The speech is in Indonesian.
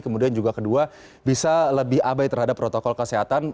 kemudian juga kedua bisa lebih abai terhadap protokol kesehatan